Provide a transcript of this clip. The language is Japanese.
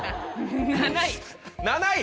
７位。